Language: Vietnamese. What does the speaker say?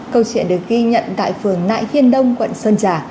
câu chuyện được ghi nhận tại phường nại thiên đông quận sơn trà